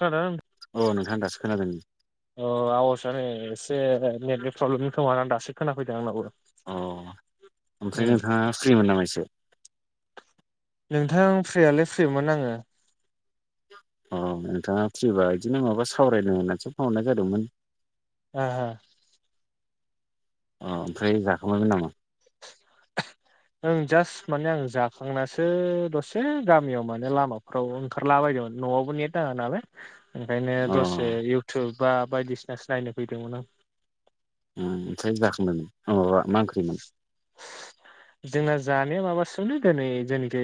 खोनादों। अ नोंथां दासो खोनादों। अ आवाजआ नो एसे नेटनि प्रब्लेम खोमा दासो खोनाफैदों आंनाबो। अ ओमफ्राय नोंथाङा फ्रिमोन नामा एसे। नोंथां फ्रियालाय फ्रिमोन आंङो। अ नोंथाङा फ्रिबा बिदिनो माबा सावरायनो होननानैसो फन हरनाय जादोंमोन। आ हा। अ ओमफ्राय जाखांबायमोन नामा। ओं जास्ट माने आं जाखांनासो दसे गामियाव माने लामाफ्राव ओंखारलाबाय [unintelligible] न'आवबो नेट नाङा नालाय। ओंखायनो अ दसे इउटुब बा बायदिसिना सो नायनो फैदोंमोन आं। उम ओमफ्राय जानानै अ माबा मा ओंख्रिमोन? जोंना जानाया माबा [unintelligible] दोनै जेनिखि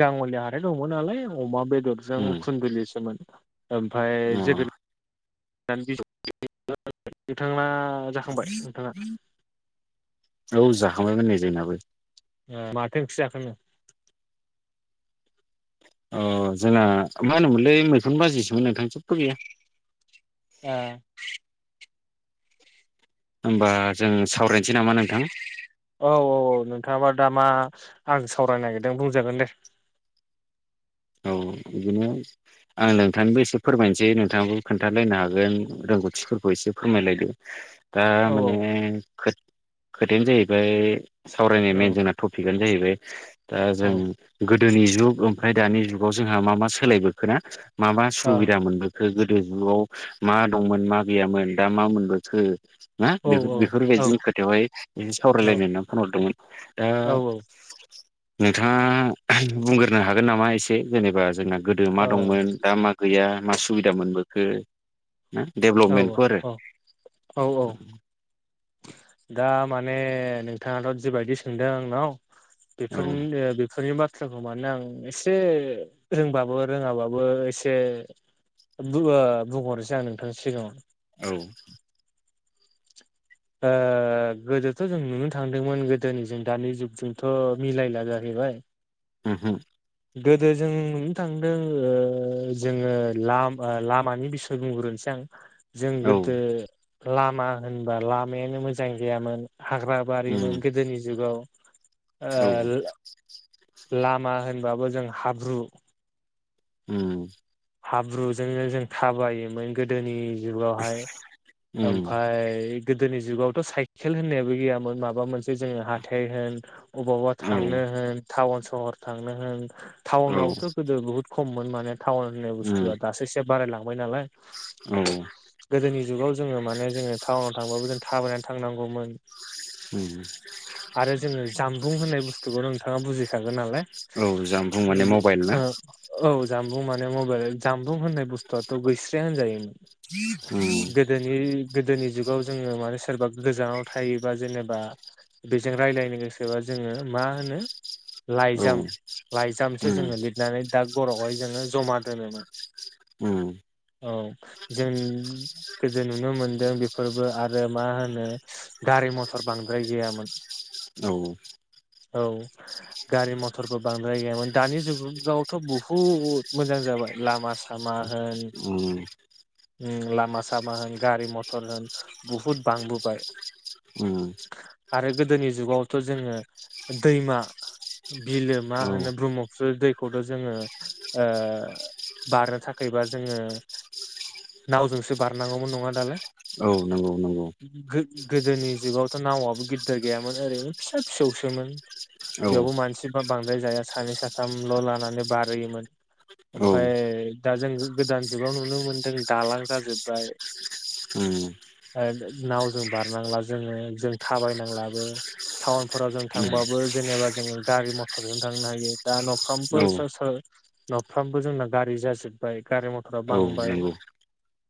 गाङलिया हाथाय दङमोन नालाय अमा बेदर जों उम खुन्दुलिसोमोन ओमफ्राय अ जोगोद [inaudible] आ जाखांबाय नोंथाङा। औ जाखांबायमोन नै जोंनाबो। ए माथो ओंख्रि जाखोनो। अ जोंना मा होनोमोनलै मैखुन बाजिसोमोन नोंथां जेबो गैया। ए। होमबा जों सावरायनो औ औ औ नोंथाङाबा दामा आं सावरायनो नागिरदों बुंजागोन दे। औ बिदिनो आं नोंथांनिबो एसे फोरमायनोसै नोंथांखौ खोन्थालायनो हागोन। रोंगौथिफोरखौ एसे फोरमायलायदो। दा औ माने खोथ खोथायानो जाहैबाय सावरायलायनाय औ मेन जोंना टपिकआनो जाहैबा [unintelligible] दा औ जों गोदोनि जुग ओमफ्राय दानि जुगाव जोंहा मा-मा सोलायबोखोना। मा-मा औ सुबिदा मोनदों खो गोदो जुगाव मा दंमोन मा गैयामोन दा मा मोनबोखो। ना ओ बेफोर औ औ बेफोरबायदिनि खोथायावहाय ऐसे औ सावरायलायनो होननानै फन हरदोंमोन। दा [unintelligible] नोंथाङा बुंग्रोनो हागोन नामा एसे जेनेबा जोंना गोदो औ मा दंमोन दा मा गैया मा सुबिदा मोनबोखो। ओ औ डेभलपमेन्टफोरो औ औ दा माने नोंथाङाथ' जिबायदि सोंदों आंनाव बेफोरनि बेफोरनि बाथ खौ मानो आं एसे रोंबाबो रोङाबाबो एसे बुओ बुंहरनोसै आं नोंथांनि सिगाङावनो। औ औ। ओ ओ गोदोथ' जों नुनो थांदोंमोन गोदोनि जों दानि जुगजोंथ' मिलायला जाहैबाय। होम-होम। गोदो जों नुनो थांदों ओ जोङो लामा ओ लामानि बिसय बुंग्रोनोसै आं। जों औ गोदो लामा होनबा लामायानो मोजां गैयामोन। हाग्रा उम बारिमोन गोदोनि जुगाव। ओ औ रां लामा होनबाबो जों हाब्रु। उम। हाब्रुजोंनो जों थाबायोमोन गोदोनि जुगावहाय उम ओमफ्राय गोद गोदोनि जुगावथ' साइकेल होननायाबो गैयामोन माबा मोनसे जोङो हाथाय होन अबावबा औ थांनो होन टाउन सहर थांनो होन टाउनावथ' गोदो बहुद खममोन माने टाउन होननाय उम बुस्थुआ दासो इसे बारायलां हमबाय नालाय औ गोदोनि जुगाव जोड़ो माने जोङो टाउनाव थांबाबो जोङो थाबायना थांनांगौमोन। उम। आरो जोङो जामबुं होननाय बुस्थुखौ नोंथाङा बुजिखागोन नालाय। औ जामबुं माने मबाइल ना अम अम ओ औ जामबुं माने मबाइल जामबुं होननाय बुस्थुआथ' गैस्राय होन जायो। उम गोदोनि- गोदोनि जुगाव जोङो माने सोरबा गोजानाव थायोबा जेने बा बेजों रायज्लायनो गोसोबा जोङो मा होनो औ लाइजाम -लाइजामसो उम जोङो लिरनानै दाख गर'हाय जोङो जमा दोनोन उम औ जों गोदो नुनो मोनदों बेफोरबो आरो मा होनो गारि मथर बांद्राय गैयामोन। औ। औ गारि- मथरबो बांद्राय गैयामोन दानि जुगावथ' बुहुद मोजां जाबाय लामा सामा उम। अम लामा सामा होन गारि मथर होन बहुद बांबोबाय। उम आरो गोदोनि जुगावथ' जोङो दैमा बिलो मा औ होनो ब्रह्मपुत्र दैखौथ' जोङो मा होनो जोङो [inaudible] नावजोंसो बारनांगौमोन नङा दालाय? औ नंगौ नंगौ। गो-गोदोनि जुगावथ' नावाबबो गिदिर गैयामोन ओरैनो फिसा फिसौ सोमोन। औ बेयावबो मानसिफ्रा बांद्राय जाया सानै साथामल' लानानै बारहयोमोन। औ ओमफाय दा जों गोदान जुगाव नुनो मोनदों दालां जाजोब्बाय। [inaudible] उम ओ नावजों बारनांला जोङो जों थाबायनांलाबो टाउनफोराव जों उम थांबाबो जेनेबा जोङो गारि मथरजों थांनो हायो दा न'फ्रामबो औ सोर सोर न'फ्रामबो जोंना गारि जाजोबबाय गारि मथरा औ बांबाय। नंगौ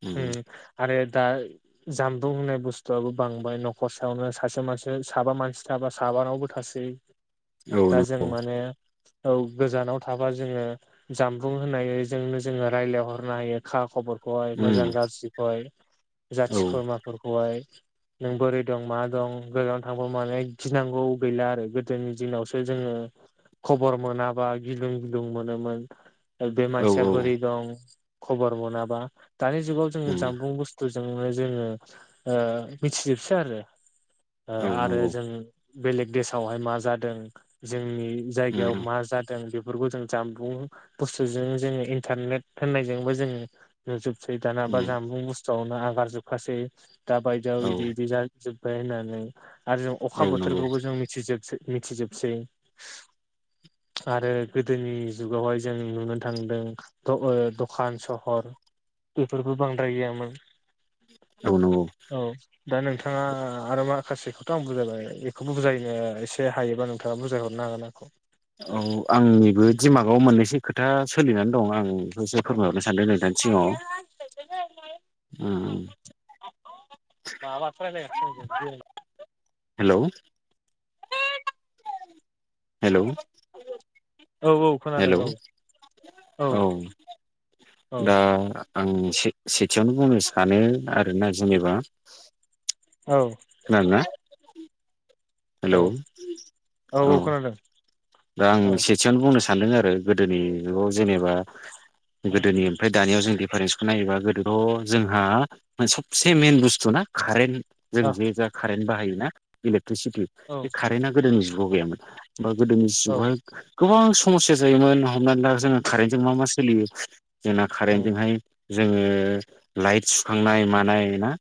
उम अम आरो दा जामबुं होननाय बुस्थुआबो बांबाय न'खर सायावनो सासे मानसि से साबा मानसि थाबा साबानावबो थासै। औ दा जों नंगौ माने औ गोजानाव थाबा जोङो जामबुं होनायजोंनो जोङो रायज्लायहरनो हायो खा खबरखौहाय मोजां उम गाज्रिखौहाय। जाथि औ खुरमाफोरखौहाय। नों बोरै दं, माहा दं, गोजानाव थांब माने गिनांगौ गैला आरो गोदोनि दिनावसो जोङो खबर मोनाबा गिलुं गिलुं मोनोमोन बे औ मानसिया बोरै दं खबर मोनाबा दानि जुगाव जोङो उम जामबुं बुस्थुजोंनो जोङो ओ मिन्थि जोबसै आरो। ओ औ आरो नंगौ जों बेलेग देसावहाय मा जादों जोंनि जायगायाव उम मा जादों जों बेफोरखौ जों जानबुं बुस्थुजों जोङो इन्टारनेट होननायजोंबो जोंङो नुजोब सैथाना बा उम जामबुं बुस्थुआवनो आगार जोबखासै दा बायदियाव बिदि औ बिदि जा जोब्बाय होननानै आरो जों औ अखा नंगौ बोथोरखौबो जों मिथिजोबसै मिथिजोबसै आरो गोदोनि जुगावहाय जों नुनो थांदों द ओ दखान सहर बेफोरबो बांद्राय गैयामोन। औ नंगौ। औ दा नोंथाङा आरो माखासेखौथ' आं बुजायबाय बेखौबो बुजायनो एसे हायोबा नों नोंथाङा बुजाय हरनो हागोन आंखौ। औ आंनिबो दिमागाव मोन मोनससे खोथा सोलिनानै दं आं बेखौसो फोरमायहरनो सानदों नोंथांनि सिङाव [inaudible] हेलौ? हेलौ? औ औ खोनादों हेलौ औ। औ औ दा आं एसे सेथियावनो बुंनो सानो आरोना जेनेबा औ खोनादों ना? औ औ औ खोनादों। दा आं औ सेथियावनो बुंनो सानदों आरो गोदोनि जुगाव जेनेबा गोदोनि ओमफ्राय दानियाव जों दिफारेन्स नायोबा गोदोथ' जोंहा सबसे मएइन बुस्थु ना कारेन्ट जों जे जा कारेन्ट बाहायोना इलेक्ट्रिसिटि औ बे कारेन्टआ गोदोनि जुगाव गैया मोन होमबा गोदोनि औ जुगाव हाय‌ गोबां समस्या जायोमोन हमनानै दा जोङो कारेन्टजों मा मा सोलियो जोंना कारेन्टजोंहाय जोङो लाइट सुखांनाय मानाय ना?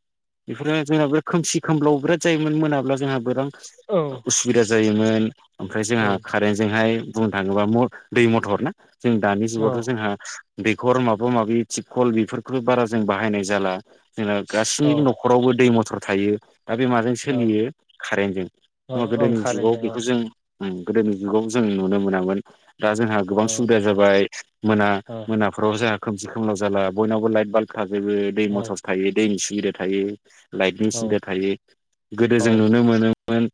बेफोरो जोंना बिराद खोमसि खोमलाव बिराद जायोमोन मोनाब्ला जोंहा बोरां औ उसुबिदा जायोमोन बुंनो थाङोबा, दै मथर ना जों दानि औ जुगावथ' जोंहा दैखर माबा माबि थिपकल बेफोरखौ बारा जों बाहायनाय जाला। जोंना गासैनिबो न'खरावबो दै मथर थायो। दा बे माजों औ सोलियो कारेन्टजों, होनबा ओं गोदोनि जुगाव कारेन्टजों बेखौ जों ओम गोदोनि जुगाव जों नुनो मोनामोन दा जोंहा औ गोबां सुबिदा जाबाय मोना औ मोनाफोराव जोंहा खोमसि खोमलाव जाला बयनावबो लाइट बाल्ब थाजोबो, दै औ मथर थायो, दैनि सुबिदा थायो। लाइटनि औ सिन्था थायो गोदो औ जों नुनो मोनोमोन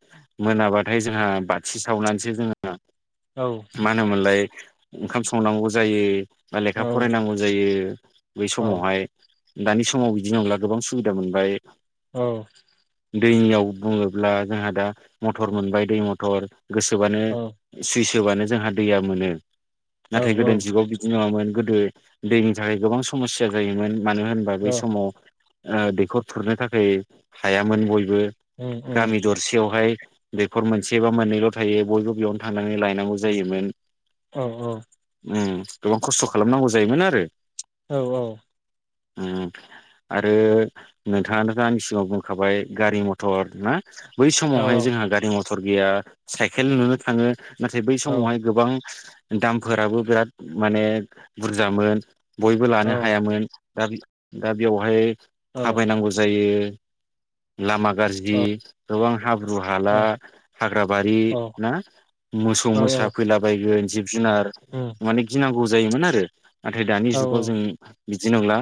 मोनाबाथाय जोंहा बाथि सावनानैसो जोङो औ मा होनोमोनलाय ओंखाम संनांगौ जायो बा लेखा औ फरायनांगौ जायो बै समावहाय। दानि समाव बिदि नंला गोबां सुबिदा मोनबाय दैनियाव बुङो ब्ला जोंहा दा मथर मोनबाय दै मथर गोसोबानो सुइस होबानो जोंहा दैया मोनो नाथाय गोदोनि जुगाव बिदि नङामोन। गोदो दैनि थाखाय गोबां समस्या जायोमोन मानो होनबा बै समाव ओ दैखर खुरनो थाखाय हायामोन बयबो गामि दरसेयावहाय दैखर मोनसे बा मोननैल' थायो बयबो बेयावनो थांनानै लायनांगौ जायोमोन। औ औ। ओम गोबां खस्थ' खालामनांगौ जायोमोन आरो। औ औ। ओ आरो नोंथाङानो दा आंनि सिगाङाव बुंखाबाय गारि मथर ना? बै औ औ समावहाय जोंहा गारि मथर गैया साइकेल नुनो थाङो नाथाय बै औ समावहाय गोबां दामफोराबो बिराद माने बुरजामोन। बयबो लानो औ हायामोन दा बे दा बेवहाय औ थाबायनांगौ जायो लामा औ गाज्रि गोबां हाब्रु हाला, औ हाग्रा बारि औ ना मोसौ, औ मोसा फैला बायगोन जिब जुनार उम माने गिनांगौ जायोमोन आरो, नाथाय दानि औ जुगाव जों बिदि नंला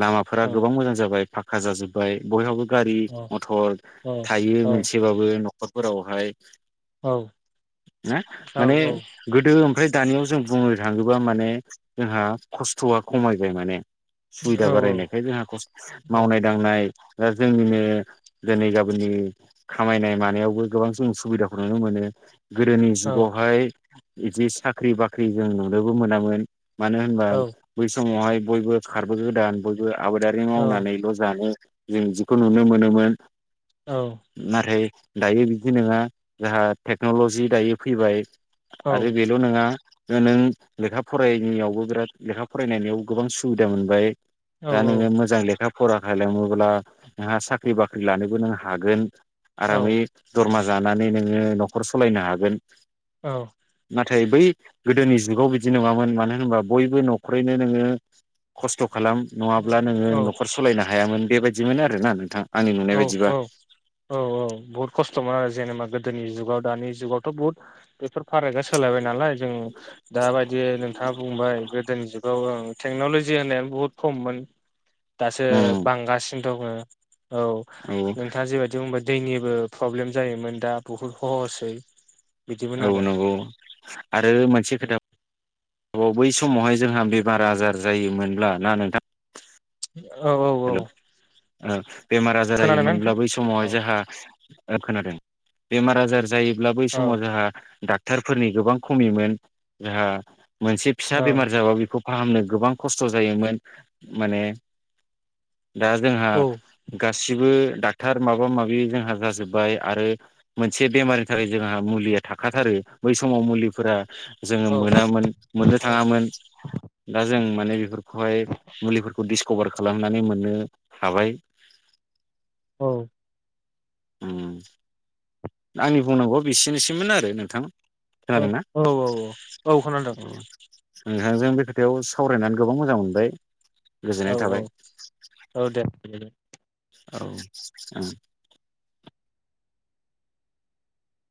लामाफोरा औ गोबां मोजां जाबाय फाखा जाजोब्बाय बयहाबो गारि औ मथर औ थायो मोनसेबाबो न'खर फोरावहाय औ ना औ माने औ गोदो ओमफ्राय दानियाव जों बुंनो थाङोब्ला माने जोंहा खस्थ'आ खमायबाय माने सुबिदा बारायनायखाय जोंहा खस मावनाय दांनाय दा जोंनिनो दिनै गाबोननि खामायनाय मानायावबो गोबां जों सुबुबिदा खौ नुनो मोनो। गोदोनि जुगावहाय बिदि साख्रि बाख्रि जों नुनोबो मोनामोन मानो होनबा बै समावहाय बयबो खारबो गोदान बयबो आबादारि मावनानैल' जानो जों जिखौ नुनो मोनोमोन। औ नाथाय दायो बिदि नोङा जोहा टेक्न'लजि दायो फैबाय आरो बेल' नोङा नों लेखा फरायनायावबो बिराद लेखा फरायनायनियाव गोबां सुबिदा मोनबाय दा नोङो मोजां लेखा फरा खालामोब्ला नोंहा साख्रि बाख्रि लानोबो नों हागोन औ आरामै दरमा लानानै नोङो न'खर सलायनो हागोन। औ [unintelligible] बै गोदोनि जुगाव बिदि नङामोन मानो होनबा बयबो न'खरैनो नोङो खस्थ' खालाम नङाब्ला नोङो न'खर सलायनो हायामोन बेबादिमोन आरोना नोंथां। आंनि नुनाय औ बायदिबा औ औ औ बहुत खस्थ'मोन आरो जेनेबा गो दोनि जुगाव दानि जुगावथ' बहुत बेफोर फारागआ सोलायबाय नालाय जों दाबादियै नोंथाङा बुंबाय गोदोनि जुग औ ओं थेक्न'ल'जि होननायानो बुहुद खममोन दासो उम बांगासिनो दङो। औ औ नोंथाङा जिबायदि बुंबाय दैनिबो प्रब्लेम जायोमोन दा बुहुद खहससै औ नंगौ आरो मोनसे खोथा बाव बै समावहाय जोंहा बेमार आजार जायोमोनब्ला ना नोंथां औ औ औ ओ बेमार आजार खोनादोंना जायोमोनब्ला नोंथां बै समावहाय औ जोहा ओ खोनादों बेमार आजार जायोब्ला बै औ समाव जोंहा डा क्टारफोरनि गोबां खमिमोन जोंहा मोनसे फिसा औ बेमार जाबा बेखौ फाहामनो गोबां खस्थ' जायोमोन माने दा जोंहा औ गासिबो डा क्थार माबा माबि जोंहा जाजोब्बाय आरो मोनसे बेमारनि थाखाय जोंहा मुलिया थाखाथारो बै समाव मुलिफोरा जोङो औ मोनामोन मोननो थाङामोन दा जों माने बेफोर खौहाय मुलिफोरखौ डिसकभार खालामनानै मोननो हाबाय। औ उम आंनि बुंनांगौआ बेसेनोसैमोन आरो नोंथां। ओ खोनादों ना? औ औ औ औ खोनादों ओ बे खोथायाव सावरायनानै गोबां मोजां मोनबाय औ गोजोननाय औ थाबाय औ दे औ ओं